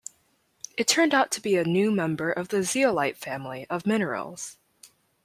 It turned out to be a new member of the Zeolite family of minerals.